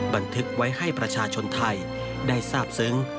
บันทึกไว้ให้ประชาชนไทยได้ทราบซึ้ง